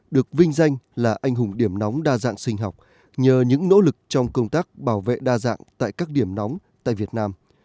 được vinh danh là anh hùng điểm nóng đa dạng sinh học nhờ những nỗ lực trong công tác bảo vệ đa dạng tại các điểm nóng tại việt nam